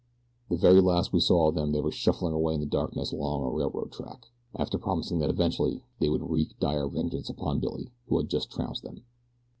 The very last we saw of them they were shuffling away in the darkness along a railroad track, after promising that eventually they would wreak dire vengeance upon Billy, who had just trounced them.